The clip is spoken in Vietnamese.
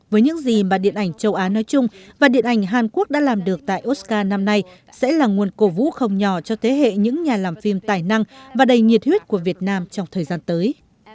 với những gì mà điện ảnh châu á nói chung và điện ảnh hàn quốc đã làm được tại oscar năm nay sẽ là nguồn cổ vũ không nhỏ cho thế hệ những nhà làm phim tài năng và đầy nhiệt huyết của việt nam trong thời gian tới